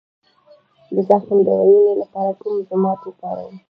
د زخم د وینې لپاره کوم ضماد وکاروم؟